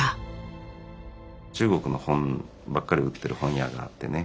中国の本ばっかり売ってる本屋があってね